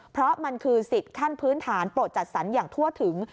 เพราะมันคือสิทธิ์ขั้นพื้นฐานโปรดจัดสรรอย่างทั่วถึง